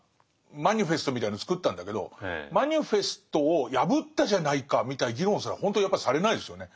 マニフェストみたいのを作ったんだけどマニフェストを破ったじゃないかみたいな議論すらほんとやっぱりされないですよね。